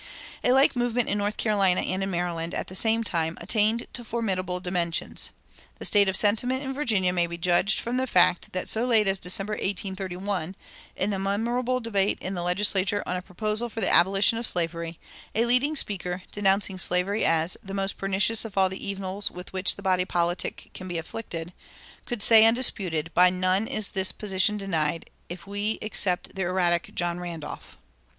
"[274:1] A like movement in North Carolina and in Maryland, at the same time, attained to formidable dimensions. The state of sentiment in Virginia may be judged from the fact that so late as December, 1831, in the memorable debate in the legislature on a proposal for the abolition of slavery, a leading speaker, denouncing slavery as "the most pernicious of all the evils with which the body politic can be afflicted," could say, undisputed, "By none is this position denied, if we except the erratic John Randolph."